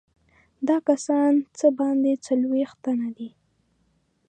دا کسان څه باندې څلوېښت تنه دي.